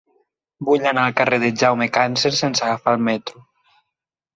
Vull anar al carrer de Jaume Càncer sense agafar el metro.